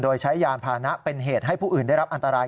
โดยใช้ยานพานะเป็นเหตุให้ผู้อื่นได้รับอันตราย